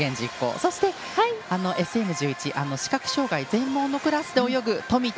そしてＳＭ１１視覚障がい、全盲のクラスで泳ぐ富田